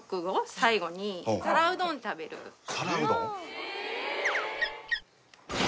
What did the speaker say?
最後に皿うどん食べる皿うどん？